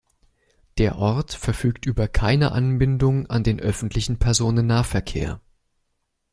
Der Ort verfügt über keine Anbindung an den öffentlichen Personennahverkehr.